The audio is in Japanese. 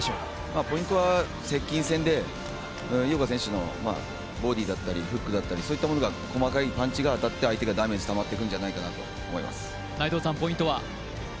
ポイントは接近戦で井岡選手のボディーだったりフックだったりそういったものが、細かいパンチが上がって相手がダメージたまっていくんじゃないかなと思います。